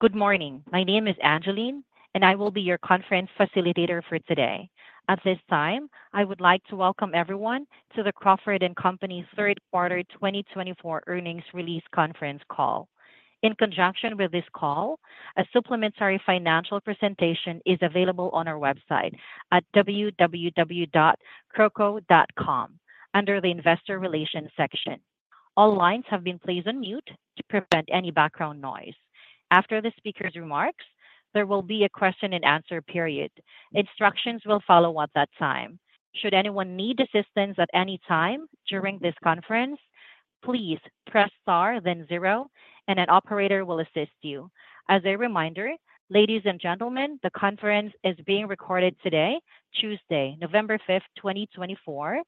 Good morning. My name is Angeline, and I will be your conference facilitator for today. At this time, I would like to welcome everyone to the Crawford & Company's Third Quarter 2024 Earnings Release Conference Call. In conjunction with this call, a supplementary financial presentation is available on our website at www.crawco.com under the Investor Relations section. All lines have been placed on mute to prevent any background noise. After the speaker's remarks, there will be a question-and-answer period. Instructions will follow at that time. Should anyone need assistance at any time during this conference, please press star, then zero, and an operator will assist you. As a reminder, ladies and gentlemen, the conference is being recorded today, Tuesday, November 5th, 2024.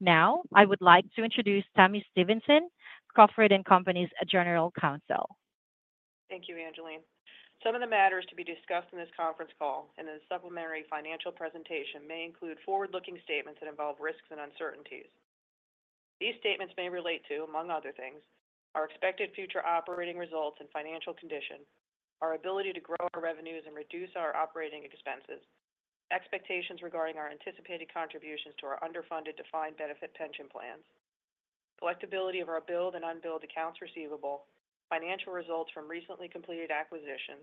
Now, I would like to introduce Tami Stevenson, Crawford & Company's General Counsel. Thank you, Angeline. Some of the matters to be discussed in this conference call and in the supplementary financial presentation may include forward-looking statements that involve risks and uncertainties. These statements may relate to, among other things, our expected future operating results and financial condition, our ability to grow our revenues and reduce our operating expenses, expectations regarding our anticipated contributions to our underfunded defined benefit pension plans, collectibility of our billed and unbilled accounts receivable, financial results from recently completed acquisitions,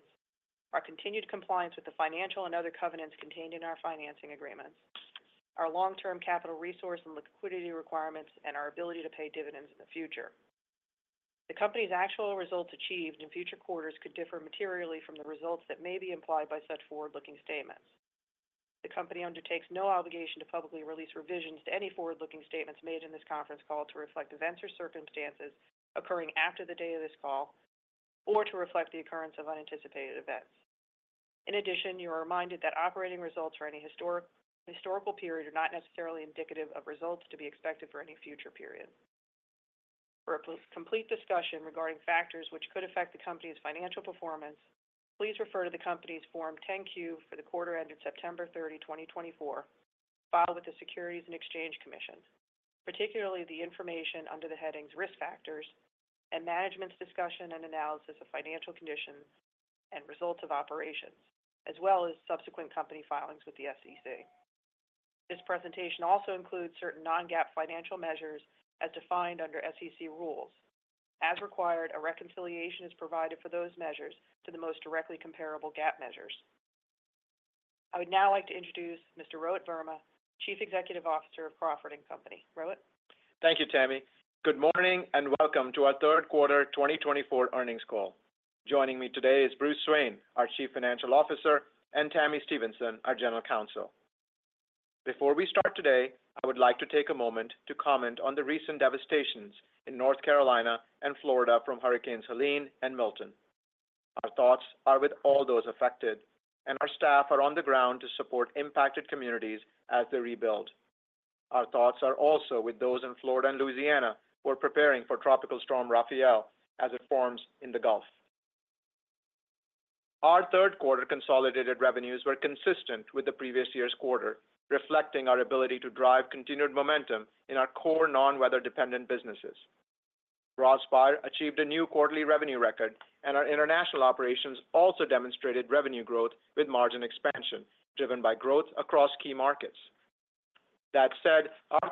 our continued compliance with the financial and other covenants contained in our financing agreements, our long-term capital resource and liquidity requirements, and our ability to pay dividends in the future. The company's actual results achieved in future quarters could differ materially from the results that may be implied by such forward-looking statements. The company undertakes no obligation to publicly release revisions to any forward-looking statements made in this conference call to reflect events or circumstances occurring after the date of this call or to reflect the occurrence of unanticipated events. In addition, you are reminded that operating results for any historical period are not necessarily indicative of results to be expected for any future period. For a complete discussion regarding factors which could affect the company's financial performance, please refer to the company's Form 10-Q for the quarter ended September 30, 2024, filed with the Securities and Exchange Commission, particularly the information under the headings Risk Factors and Management's Discussion and Analysis of Financial Condition and Results of Operations, as well as subsequent company filings with the SEC. This presentation also includes certain non-GAAP financial measures as defined under SEC rules. As required, a reconciliation is provided for those measures to the most directly comparable GAAP measures. I would now like to introduce Mr. Rohit Verma, Chief Executive Officer of Crawford & Company. Rohit. Thank you, Tami. Good morning and welcome to our Third Quarter 2024 Earnings Call. Joining me today is Bruce Swain, our Chief Financial Officer, and Tami Stevenson, our General Counsel. Before we start today, I would like to take a moment to comment on the recent devastations in North Carolina and Florida from Hurricanes Helene and Milton. Our thoughts are with all those affected, and our staff are on the ground to support impacted communities as they rebuild. Our thoughts are also with those in Florida and Louisiana who are preparing for Tropical Storm Rafael as it forms in the Gulf. Our third quarter consolidated revenues were consistent with the previous year's quarter, reflecting our ability to drive continued momentum in our core non-weather-dependent businesses. Broadspire achieved a new quarterly revenue record, and our international operations also demonstrated revenue growth with margin expansion driven by growth across key markets. That said, our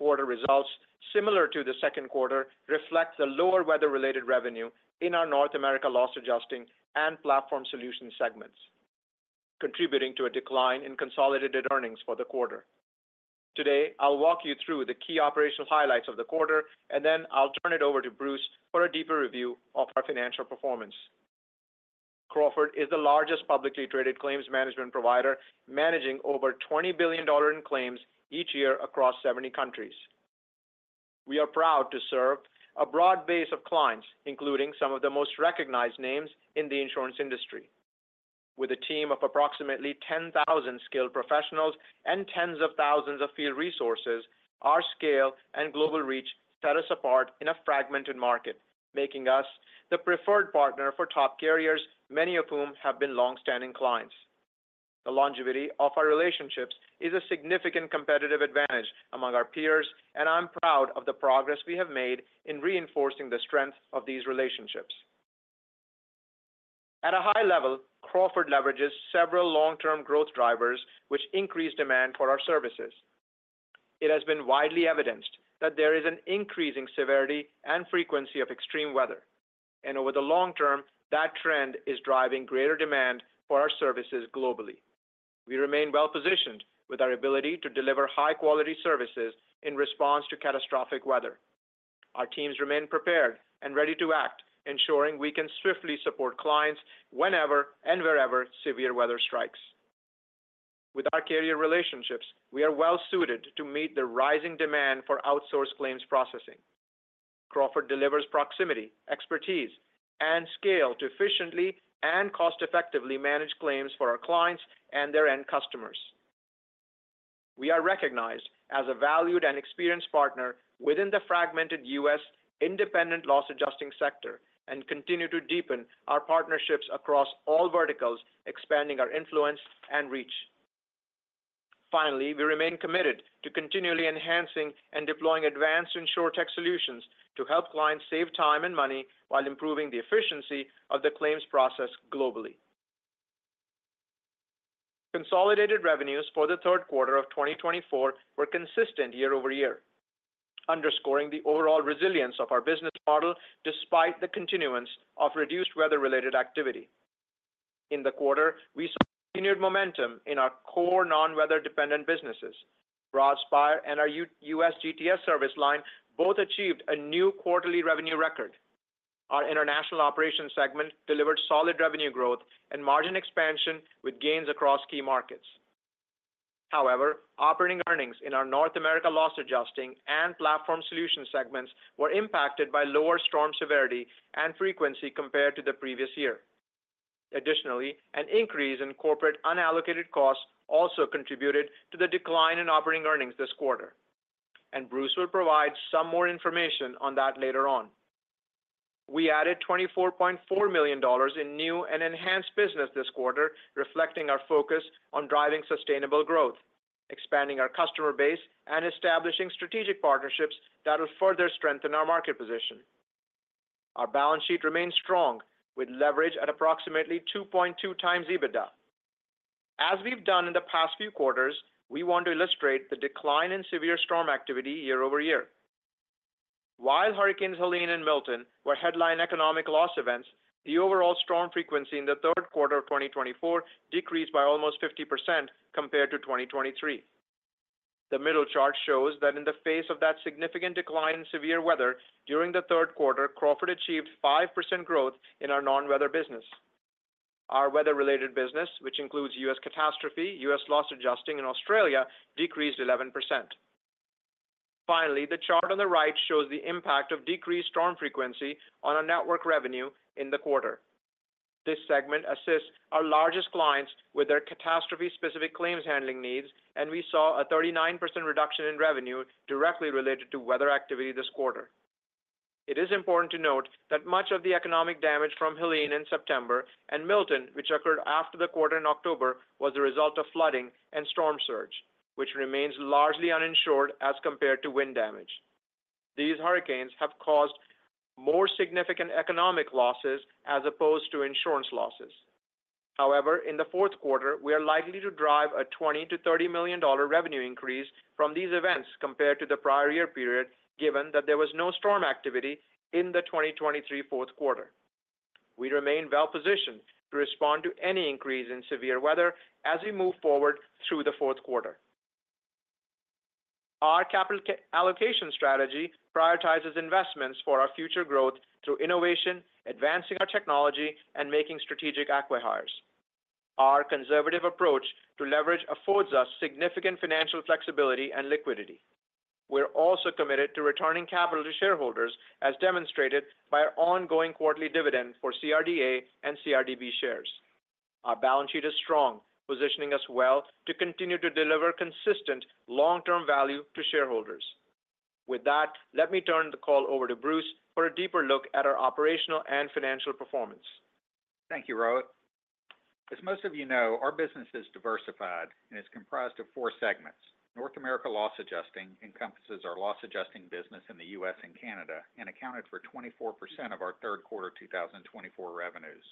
third quarter results, similar to the second quarter, reflect the lower weather-related revenue in our North America Loss Adjusting and Platform Solutions segments, contributing to a decline in consolidated earnings for the quarter. Today, I'll walk you through the key operational highlights of the quarter, and then I'll turn it over to Bruce for a deeper review of our financial performance. Crawford is the largest publicly traded claims management provider, managing over $20 billion in claims each year across 70 countries. We are proud to serve a broad base of clients, including some of the most recognized names in the insurance industry. With a team of approximately 10,000 skilled professionals and tens of thousands of field resources, our scale and global reach set us apart in a fragmented market, making us the preferred partner for top carriers, many of whom have been longstanding clients. The longevity of our relationships is a significant competitive advantage among our peers, and I'm proud of the progress we have made in reinforcing the strength of these relationships. At a high level, Crawford leverages several long-term growth drivers, which increase demand for our services. It has been widely evidenced that there is an increasing severity and frequency of extreme weather, and over the long term, that trend is driving greater demand for our services globally. We remain well-positioned with our ability to deliver high-quality services in response to catastrophic weather. Our teams remain prepared and ready to act, ensuring we can swiftly support clients whenever and wherever severe weather strikes. With our carrier relationships, we are well-suited to meet the rising demand for outsourced claims processing. Crawford delivers proximity, expertise, and scale to efficiently and cost-effectively manage claims for our clients and their end customers. We are recognized as a valued and experienced partner within the fragmented U.S. independent Loss Adjusting sector and continue to deepen our partnerships across all verticals, expanding our influence and reach. Finally, we remain committed to continually enhancing and deploying advanced insurtech solutions to help clients save time and money while improving the efficiency of the claims process globally. Consolidated revenues for the third quarter of 2024 were consistent year-over-year, underscoring the overall resilience of our business model despite the continuance of reduced weather-related activity. In the quarter, we saw continued momentum in our core non-weather-dependent businesses. Broadspire and our U.S. GTS service line both achieved a new quarterly revenue record. Our International Operations segment delivered solid revenue growth and margin expansion with gains across key markets. However, operating earnings in our North America Loss Adjusting and Platform Solutions segments were impacted by lower storm severity and frequency compared to the previous year. Additionally, an increase in corporate unallocated costs also contributed to the decline in operating earnings this quarter, and Bruce will provide some more information on that later on. We added $24.4 million in new and enhanced business this quarter, reflecting our focus on driving sustainable growth, expanding our customer base, and establishing strategic partnerships that will further strengthen our market position. Our balance sheet remains strong, with leverage at approximately 2.2 times EBITDA. As we've done in the past few quarters, we want to illustrate the decline in severe storm activity year-over-year. While Hurricanes Helene and Milton were headline economic loss events, the overall storm frequency in the third quarter of 2024 decreased by almost 50% compared to 2023. The middle chart shows that in the face of that significant decline in severe weather during the third quarter, Crawford achieved 5% growth in our non-weather business. Our weather-related business, which includes U.S. catastrophe, U.S. Loss Adjusting, and Australia, decreased 11%. Finally, the chart on the right shows the impact of decreased storm frequency on our network revenue in the quarter. This segment assists our largest clients with their catastrophe-specific claims handling needs, and we saw a 39% reduction in revenue directly related to weather activity this quarter. It is important to note that much of the economic damage from Helene in September and Milton, which occurred after the quarter in October, was the result of flooding and storm surge, which remains largely uninsured as compared to wind damage. These hurricanes have caused more significant economic losses as opposed to insurance losses. However, in the fourth quarter, we are likely to drive a $20 million-$30 million revenue increase from these events compared to the prior year period, given that there was no storm activity in the 2023 fourth quarter. We remain well-positioned to respond to any increase in severe weather as we move forward through the fourth quarter. Our capital allocation strategy prioritizes investments for our future growth through innovation, advancing our technology, and making strategic acquihires. Our conservative approach to leverage affords us significant financial flexibility and liquidity. We're also committed to returning capital to shareholders, as demonstrated by our ongoing quarterly dividend for CRDA and CRDB shares. Our balance sheet is strong, positioning us well to continue to deliver consistent long-term value to shareholders. With that, let me turn the call over to Bruce for a deeper look at our operational and financial performance. Thank you, Rohit. As most of you know, our business is diversified and is comprised of four segments. North America Loss Adjusting encompasses our Loss Adjusting business in the U.S. and Canada and accounted for 24% of our third quarter 2024 revenues.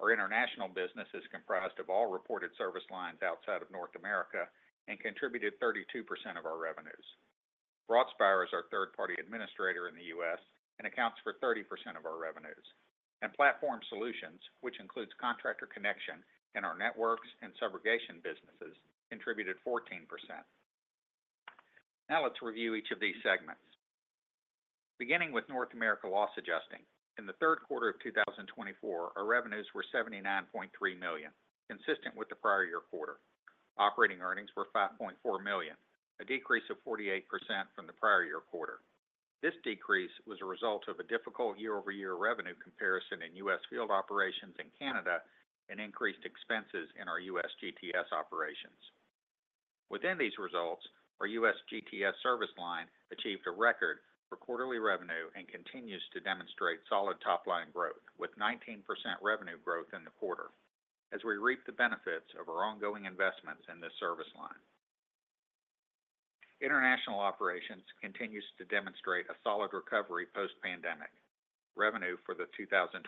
Our International business is comprised of all reported service lines outside of North America and contributed 32% of our revenues. Broadspire is our third-party administrator in the U.S. and accounts for 30% of our revenues. And Platform Solutions, which includes Contractor Connection and our Networks and Subrogation businesses, contributed 14%. Now let's review each of these segments. Beginning with North America Loss Adjusting, in the third quarter of 2024, our revenues were $79.3 million, consistent with the prior year quarter. Operating earnings were $5.4 million, a decrease of 48% from the prior year quarter. This decrease was a result of a difficult year-over-year revenue comparison in U.S. field operations in Canada and increased expenses in our U.S. GTS operations. Within these results, our U.S. GTS service line achieved a record for quarterly revenue and continues to demonstrate solid top-line growth, with 19% revenue growth in the quarter, as we reap the benefits of our ongoing investments in this service line. International Operations continues to demonstrate a solid recovery post-pandemic. Revenue for the 2024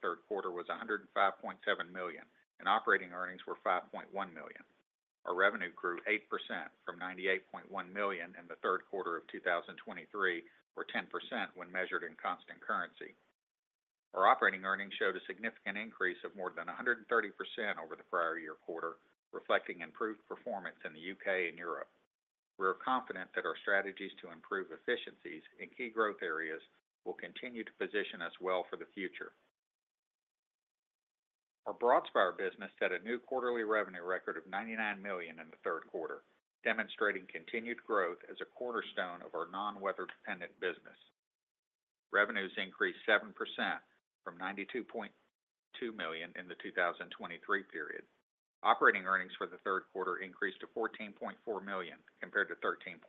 third quarter was $105.7 million, and operating earnings were $5.1 million. Our revenue grew 8% from $98.1 million in the third quarter of 2023, or 10% when measured in constant currency. Our operating earnings showed a significant increase of more than 130% over the prior year quarter, reflecting improved performance in the U.K. and Europe. We are confident that our strategies to improve efficiencies in key growth areas will continue to position us well for the future. Our Broadspire business set a new quarterly revenue record of $99 million in the third quarter, demonstrating continued growth as a cornerstone of our non-weather-dependent business. Revenues increased 7% from $92.2 million in the 2023 period. Operating earnings for the third quarter increased to $14.4 million compared to $13.5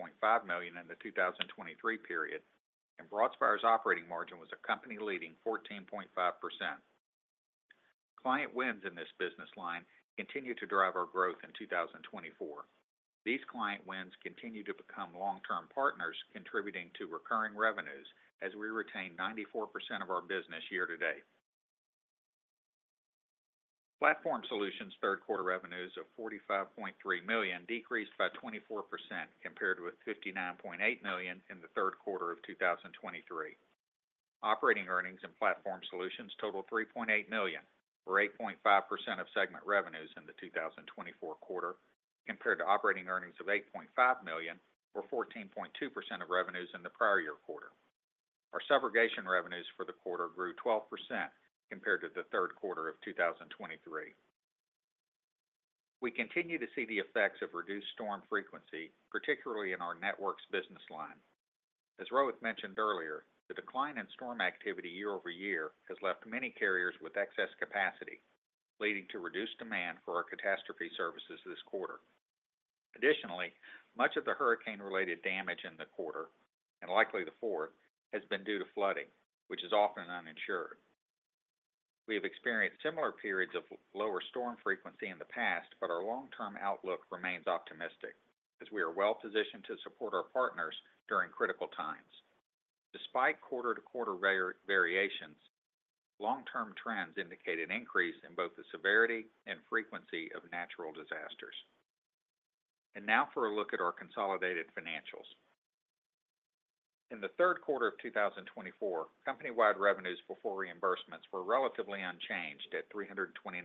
million in the 2023 period, and Broadspire's operating margin was a company-leading 14.5%. Client wins in this business line continue to drive our growth in 2024. These client wins continue to become long-term partners, contributing to recurring revenues as we retain 94% of our business year to date. Platform Solutions' third-quarter revenues of $45.3 million decreased by 24% compared with $59.8 million in the third quarter of 2023. Operating earnings in Platform Solutions totaled $3.8 million, or 8.5% of segment revenues in the 2024 quarter, compared to operating earnings of $8.5 million, or 14.2% of revenues in the prior year quarter. Our Subrogation revenues for the quarter grew 12% compared to the third quarter of 2023. We continue to see the effects of reduced storm frequency, particularly in our Networks business line. As Rohit mentioned earlier, the decline in storm activity year-over-year has left many carriers with excess capacity, leading to reduced demand for our catastrophe services this quarter. Additionally, much of the hurricane-related damage in the quarter, and likely the fourth, has been due to flooding, which is often uninsured. We have experienced similar periods of lower storm frequency in the past, but our long-term outlook remains optimistic as we are well-positioned to support our partners during critical times. Despite quarter-to-quarter variations, long-term trends indicate an increase in both the severity and frequency of natural disasters. And now for a look at our consolidated financials. In the third quarter of 2024, company-wide revenues before reimbursements were relatively unchanged at $329.4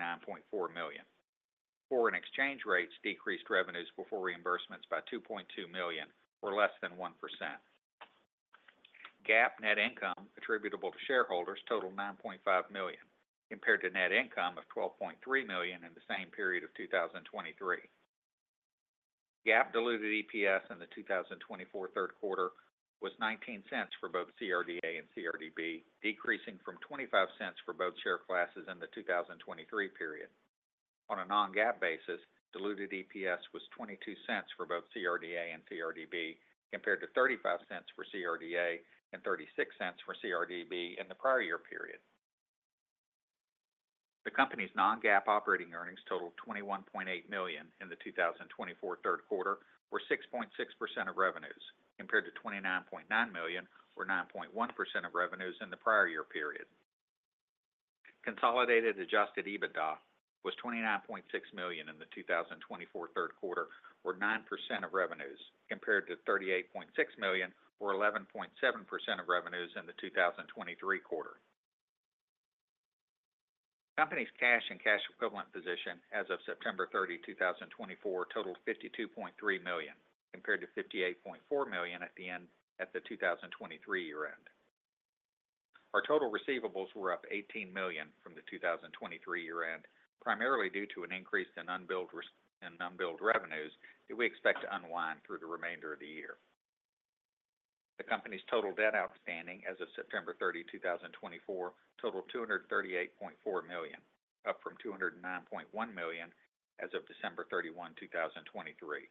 million. Foreign exchange rates decreased revenues before reimbursements by $2.2 million, or less than 1%. GAAP net income attributable to shareholders totaled $9.5 million, compared to net income of $12.3 million in the same period of 2023. GAAP diluted EPS in the 2024 third quarter was $0.19 for both CRDA and CRDB, decreasing from $0.25 for both share classes in the 2023 period. On a non-GAAP basis, diluted EPS was $0.22 for both CRDA and CRDB, compared to $0.35 for CRDA and $0.36 for CRDB in the prior year period. The Company's non-GAAP operating earnings totaled $21.8 million in the 2024 third quarter, or 6.6% of revenues, compared to $29.9 million, or 9.1% of revenues in the prior year period. Consolidated adjusted EBITDA was $29.6 million in the 2024 third quarter, or 9% of revenues, compared to $38.6 million, or 11.7% of revenues in the 2023 quarter. The Company's cash and cash equivalent position as of September 30, 2024, totaled $52.3 million, compared to $58.4 million at the end of the 2023 year-end. Our total receivables were up $18 million from the 2023 year-end, primarily due to an increase in unbilled revenues that we expect to unwind through the remainder of the year. The Company's total debt outstanding as of September 30, 2024, totaled $238.4 million, up from $209.1 million as of December 31, 2023.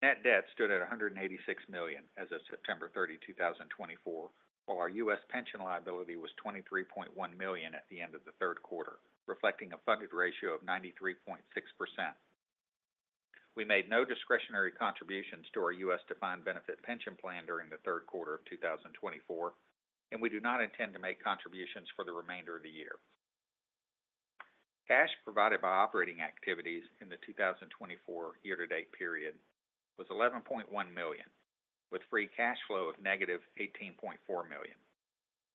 Net debt stood at $186 million as of September 30, 2024, while our U.S. Pension liability was $23.1 million at the end of the third quarter, reflecting a funded ratio of 93.6%. We made no discretionary contributions to our U.S. Defined Benefit Pension Plan during the third quarter of 2024, and we do not intend to make contributions for the remainder of the year. Cash provided by operating activities in the 2024 year-to-date period was $11.1 million, with free cash flow of negative $18.4 million.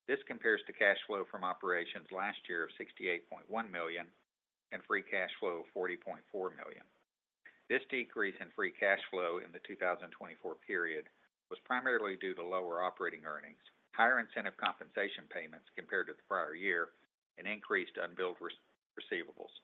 This compares to cash flow from operations last year of $68.1 million and free cash flow of $40.4 million. This decrease in free cash flow in the 2024 period was primarily due to lower operating earnings, higher incentive compensation payments compared to the prior year, and increased unbilled receivables.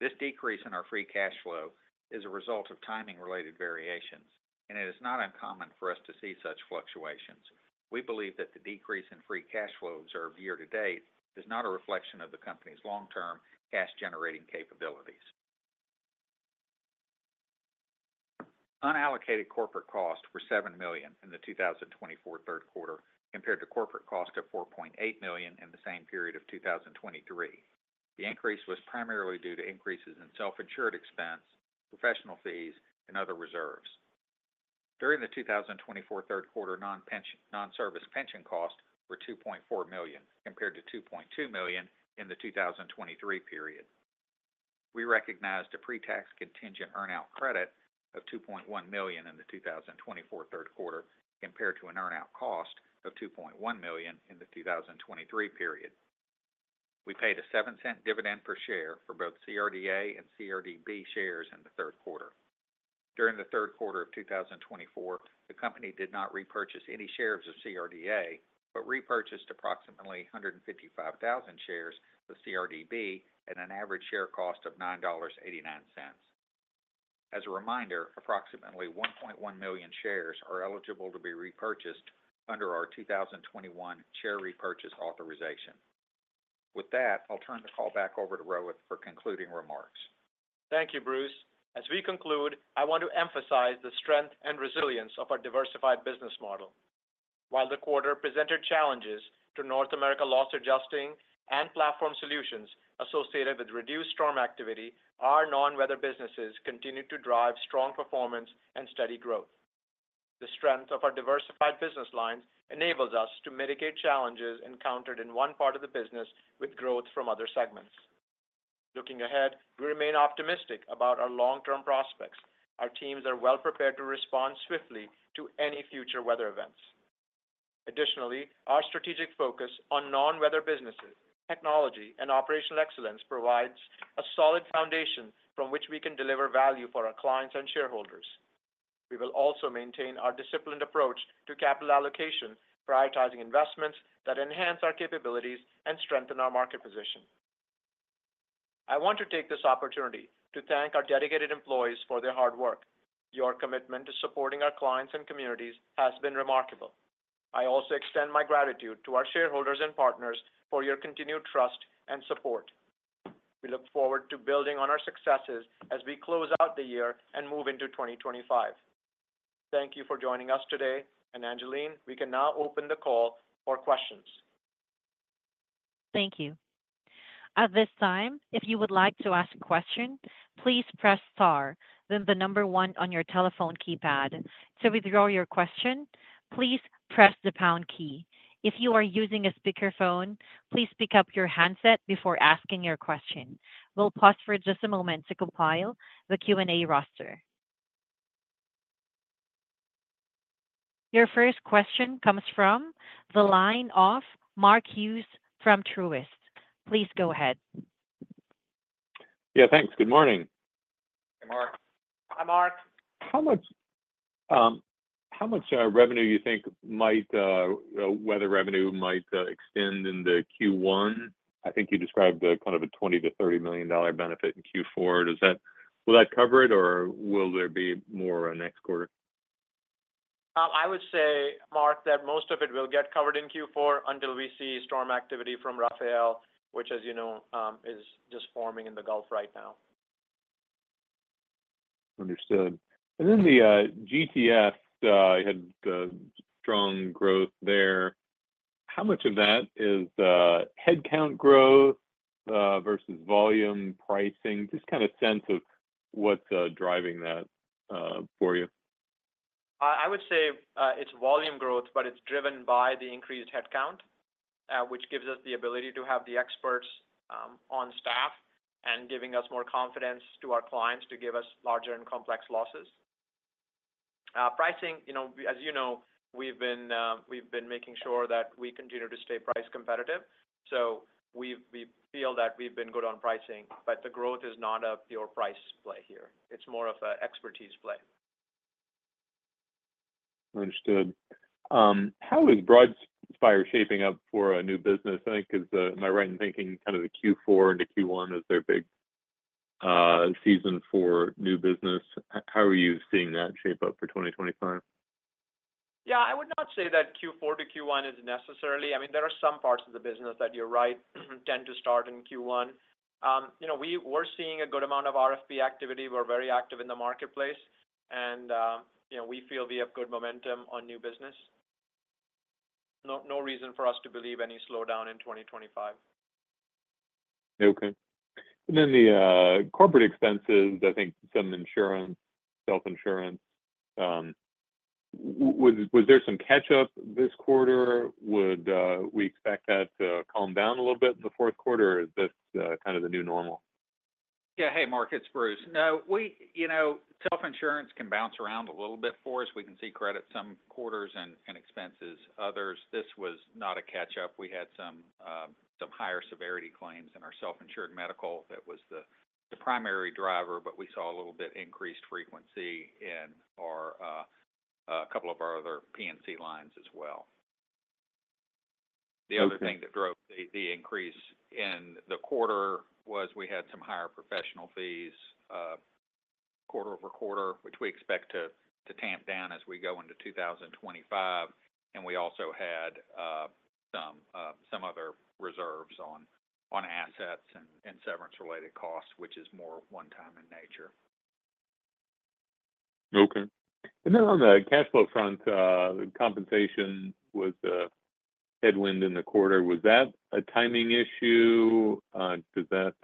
This decrease in our free cash flow is a result of timing-related variations, and it is not uncommon for us to see such fluctuations. We believe that the decrease in free cash flow observed year to date is not a reflection of the company's long-term cash-generating capabilities. Unallocated corporate costs were $7 million in the 2024 third quarter, compared to corporate costs of $4.8 million in the same period of 2023. The increase was primarily due to increases in self-insured expense, professional fees, and other reserves. During the 2024 third quarter, non-service pension costs were $2.4 million, compared to $2.2 million in the 2023 period. We recognized a pre-tax contingent earn-out credit of $2.1 million in the 2024 third quarter, compared to an earn-out cost of $2.1 million in the 2023 period. We paid a $0.07 dividend per share for both CRDA and CRDB shares in the third quarter. During the third quarter of 2024, the company did not repurchase any shares of CRDA, but repurchased approximately 155,000 shares of CRDB at an average share cost of $9.89. As a reminder, approximately 1.1 million shares are eligible to be repurchased under our 2021 share repurchase authorization. With that, I'll turn the call back over to Rohit for concluding remarks. Thank you, Bruce. As we conclude, I want to emphasize the strength and resilience of our diversified business model. While the quarter presented challenges to North America Loss Adjusting and Platform Solutions associated with reduced storm activity, our non-weather businesses continued to drive strong performance and steady growth. The strength of our diversified business lines enables us to mitigate challenges encountered in one part of the business with growth from other segments. Looking ahead, we remain optimistic about our long-term prospects. Our teams are well-prepared to respond swiftly to any future weather events. Additionally, our strategic focus on non-weather businesses, technology, and operational excellence provides a solid foundation from which we can deliver value for our clients and shareholders. We will also maintain our disciplined approach to capital allocation, prioritizing investments that enhance our capabilities and strengthen our market position. I want to take this opportunity to thank our dedicated employees for their hard work. Your commitment to supporting our clients and communities has been remarkable. I also extend my gratitude to our shareholders and partners for your continued trust and support. We look forward to building on our successes as we close out the year and move into 2025. Thank you for joining us today, and Angeline, we can now open the call for questions. Thank you. At this time, if you would like to ask a question, please press star, then the number one on your telephone keypad. To withdraw your question, please press the pound key. If you are using a speakerphone, please pick up your handset before asking your question. We'll pause for just a moment to compile the Q&A roster. Your first question comes from the line of Mark Hughes from Truist. Please go ahead. Yeah, thanks. Good morning. Hey, Mark. Hi, Mark. How much revenue do you think weather revenue might extend in the Q1? I think you described kind of a $20 million-$30 million benefit in Q4. Will that cover it, or will there be more next quarter? I would say, Mark, that most of it will get covered in Q4 until we see storm activity from Rafael, which, as you know, is just forming in the Gulf right now. Understood. And then the GTS had strong growth there. How much of that is headcount growth versus volume pricing? Just kind of sense of what's driving that for you. I would say it's volume growth, but it's driven by the increased headcount, which gives us the ability to have the experts on staff and giving us more confidence to our clients to give us larger and complex losses. Pricing, as you know, we've been making sure that we continue to stay price competitive. So we feel that we've been good on pricing, but the growth is not a pure price play here. It's more of an expertise play. Understood. How is Broadspire shaping up for a new business? I think, am I right in thinking kind of the Q4 into Q1 is their big season for new business? How are you seeing that shape up for 2025? Yeah, I would not say that Q4-Q1 is necessarily. I mean, there are some parts of the business that you're right tend to start in Q1. We're seeing a good amount of RFP activity. We're very active in the marketplace, and we feel we have good momentum on new business. No reason for us to believe any slowdown in 2025. Okay, and then the corporate expenses, I think some insurance, self-insurance. Was there some catch-up this quarter? Would we expect that to calm down a little bit in the fourth quarter, or is this kind of the new normal? Yeah, hey, Mark, it's Bruce. Self-insurance can bounce around a little bit for us. We can see credit some quarters and expenses others. This was not a catch-up. We had some higher severity claims in our self-insured medical that was the primary driver, but we saw a little bit increased frequency in a couple of our other P&C lines as well. The other thing that drove the increase in the quarter was we had some higher professional fees quarter-over-quarter, which we expect to tamp down as we go into 2025, and we also had some other reserves on assets and severance-related costs, which is more one-time in nature. Okay. And then on the cash flow front, compensation was a headwind in the quarter. Was that a timing issue? Does that,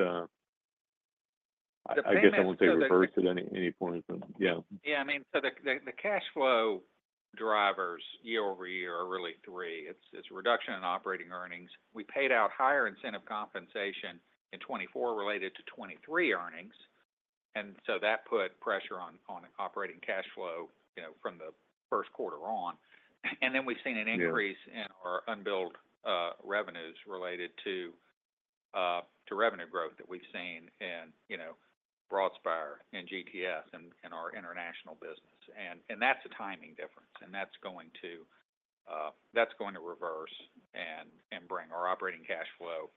I guess I won't say reverse at any point, but yeah. Yeah, I mean, so the cash flow drivers year-over-year are really three. It's reduction in operating earnings. We paid out higher incentive compensation in 2024 related to 2023 earnings. And so that put pressure on operating cash flow from the first quarter on. And then we've seen an increase in our unbilled revenues related to revenue growth that we've seen in Broadspire and GTS and our International business. And that's a timing difference, and that's going to reverse and bring our operating cash flow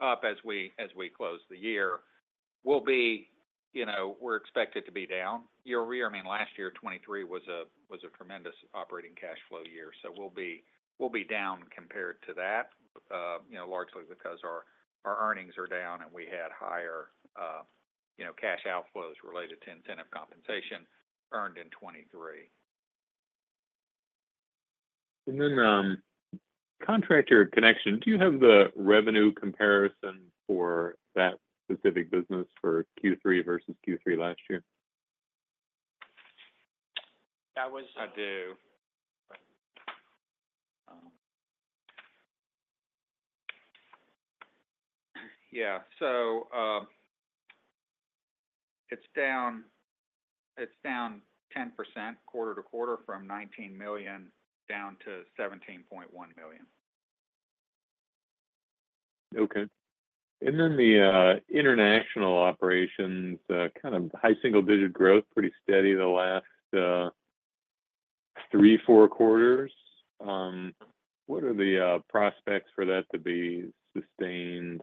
up as we close the year. We're expected to be down year-over-year. I mean, last year, 2023 was a tremendous operating cash flow year. So we'll be down compared to that, largely because our earnings are down and we had higher cash outflows related to incentive compensation earned in 2023. And then Contractor Connection, do you have the revenue comparison for that specific business for Q3 versus Q3 last year? I do. Yeah. So it's down 10% quarter-to-quarter from $19 million down to $17.1 million. Okay. And then the international operations, kind of high single-digit growth, pretty steady the last three, four quarters. What are the prospects for that to be sustained?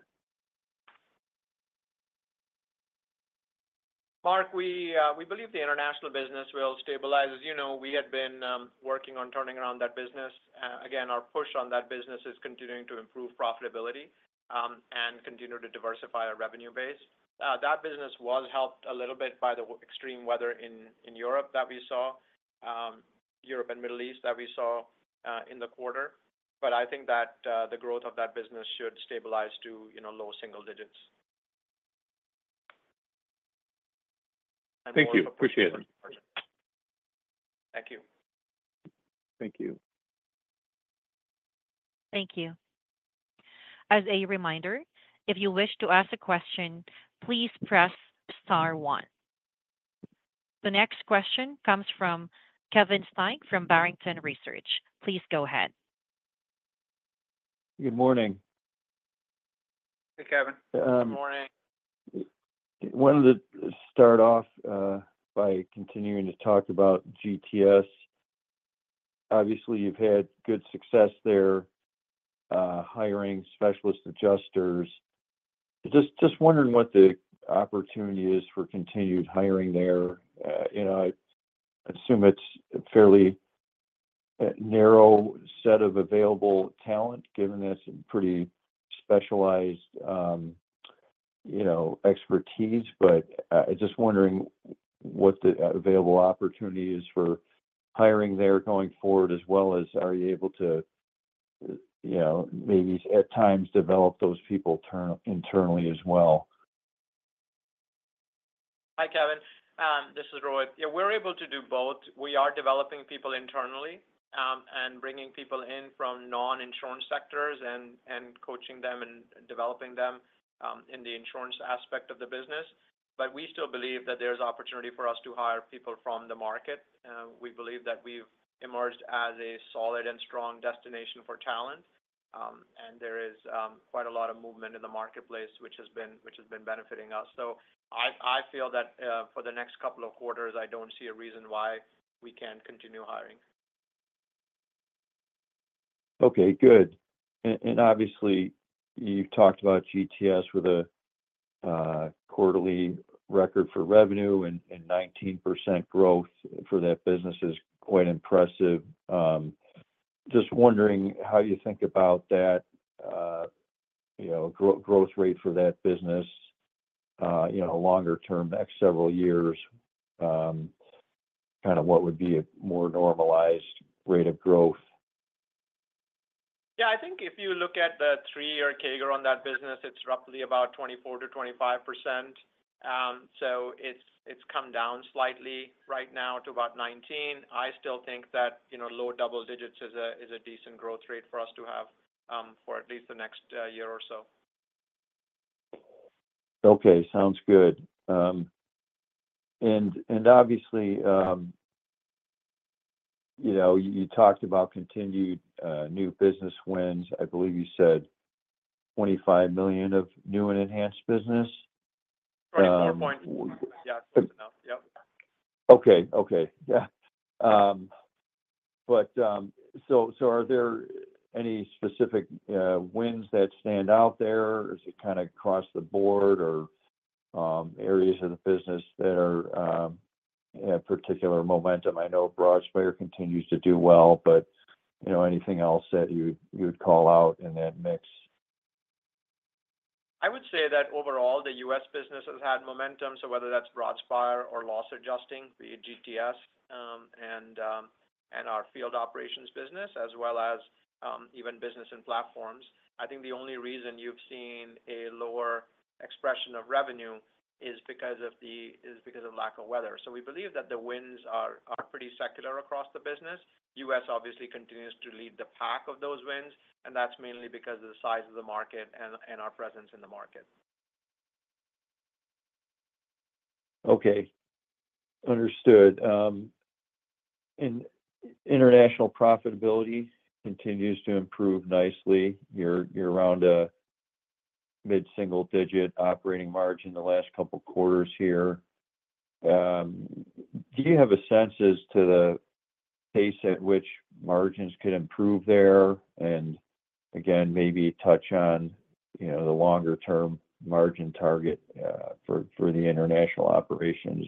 Mark, we believe the International business will stabilize. As you know, we had been working on turning around that business. Again, our push on that business is continuing to improve profitability and continue to diversify our revenue base. That business was helped a little bit by the extreme weather in Europe that we saw, Europe and Middle East that we saw in the quarter. But I think that the growth of that business should stabilize to low single digits. Thank you. Appreciate it. Thank you. Thank you. Thank you. As a reminder, if you wish to ask a question, please press star one. The next question comes from Kevin Steinke from Barrington Research. Please go ahead. Good morning. Hey, Kevin. Good morning. Wanted to start off by continuing to talk about GTS. Obviously, you've had good success there hiring specialist adjusters. Just wondering what the opportunity is for continued hiring there. I assume it's a fairly narrow set of available talent, given that it's a pretty specialized expertise. But I'm just wondering what the available opportunity is for hiring there going forward, as well as are you able to maybe at times develop those people internally as well? Hi, Kevin. This is Rohit. Yeah, we're able to do both. We are developing people internally and bringing people in from non-insurance sectors and coaching them and developing them in the insurance aspect of the business. But we still believe that there's opportunity for us to hire people from the market. We believe that we've emerged as a solid and strong destination for talent, and there is quite a lot of movement in the marketplace, which has been benefiting us. So I feel that for the next couple of quarters, I don't see a reason why we can't continue hiring. Okay. Good. And obviously, you've talked about GTS with a quarterly record for revenue and 19% growth for that business is quite impressive. Just wondering how you think about that growth rate for that business longer term, next several years, kind of what would be a more normalized rate of growth? Yeah. I think if you look at the three-year CAGR on that business, it's roughly about 24%-25%. So it's come down slightly right now to about 19%. I still think that low double digits is a decent growth rate for us to have for at least the next year or so. Okay. Sounds good. And obviously, you talked about continued new business wins. I believe you said $25 million of new and enhanced business. Correct. Yeah. That's enough. Yep. Okay. Okay. Yeah. So are there any specific wins that stand out there? Is it kind of across the board or areas of the business that are in particular momentum? I know Broadspire continues to do well, but anything else that you would call out in that mix? I would say that overall, the U.S. business has had momentum. So whether that's Broadspire or Loss Adjusting, be it GTS and our field operations business, as well as even business and platforms, I think the only reason you've seen a lower expression of revenue is because of lack of weather. So we believe that the wins are pretty secular across the business. U.S. obviously continues to lead the pack of those wins, and that's mainly because of the size of the market and our presence in the market. Okay. Understood. And international profitability continues to improve nicely. You're around a mid-single-digit operating margin the last couple of quarters here. Do you have a sense as to the pace at which margins could improve there? And again, maybe touch on the longer-term margin target for the international operations.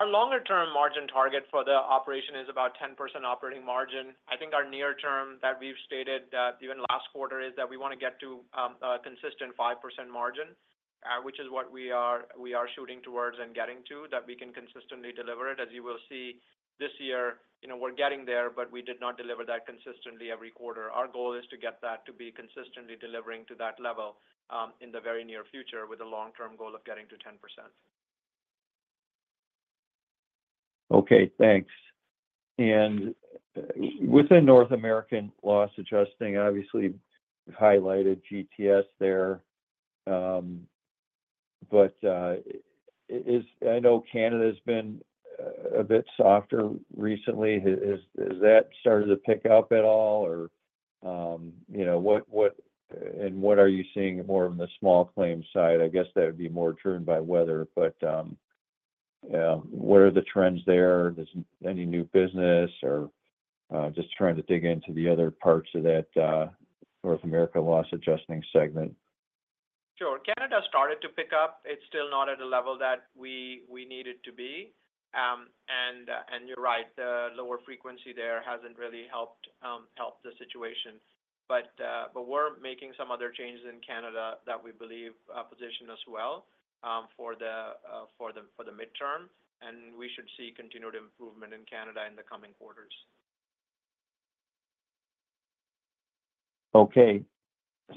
Our longer-term margin target for the operation is about 10% operating margin. I think our near-term that we've stated even last quarter is that we want to get to a consistent 5% margin, which is what we are shooting towards and getting to, that we can consistently deliver it. As you will see this year, we're getting there, but we did not deliver that consistently every quarter. Our goal is to get that to be consistently delivering to that level in the very near future with a long-term goal of getting to 10%. Okay. Thanks. And within North America Loss Adjusting, obviously, you've highlighted GTS there. But I know Canada has been a bit softer recently. Has that started to pick up at all, or what are you seeing more on the small claims side? I guess that would be more driven by weather. But what are the trends there? Any new business, or just trying to dig into the other parts of that North America Loss Adjusting segment? Sure. Canada started to pick up. It's still not at a level that we need it to be. And you're right. The lower frequency there hasn't really helped the situation. But we're making some other changes in Canada that we believe position us well for the midterm, and we should see continued improvement in Canada in the coming quarters. Okay.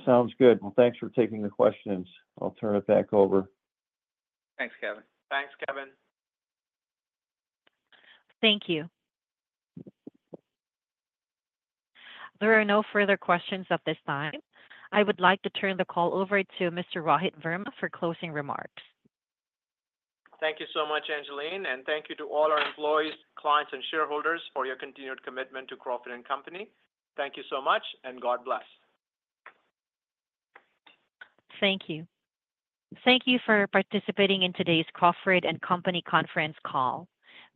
Sounds good. Well, thanks for taking the questions. I'll turn it back over. Thanks, Kevin. Thanks, Kevin. Thank you. There are no further questions at this time. I would like to turn the call over to Mr. Rohit Verma for closing remarks. Thank you so much, Angeline. And thank you to all our employees, clients, and shareholders for your continued commitment to Crawford & Company. Thank you so much, and God bless. Thank you. Thank you for participating in today's Crawford & Company conference call.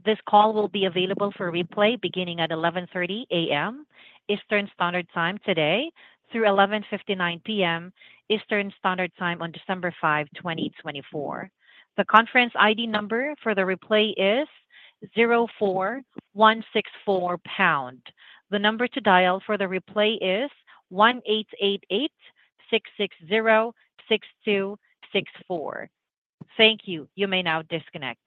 This call will be available for replay beginning at 11:30 A.M. Eastern Standard Time today through 11:59 P.M. Eastern Standard Time on December 5, 2024. The conference ID number for the replay is 04164#. The number to dial for the replay is 1-888-660-6264. Thank you. You may now disconnect.